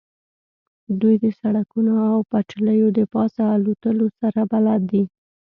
دوی د سړکونو او پټلیو د پاسه الوتلو سره بلد دي